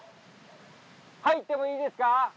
入ってもいいですか？